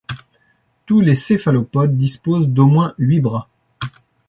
Tous les céphalopodes disposent d'au moins huit bras.